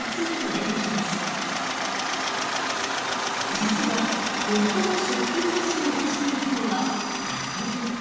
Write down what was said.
実はもっとも食品ロスを出しているのは家庭。